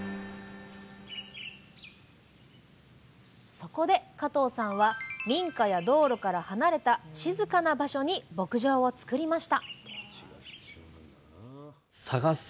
そこで加藤さんは民家や道路から離れた静かな場所に牧場をつくりましたえ